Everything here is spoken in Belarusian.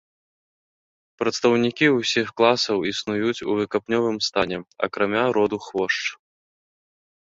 Прадстаўнікі ўсіх класаў існуюць у выкапнёвым стане, акрамя роду хвошч.